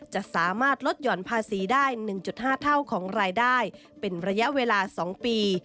จะสามารถลดหย่อนภาษีได้๑๕เท่าของรายได้เป็นระยะเวลา๒ปี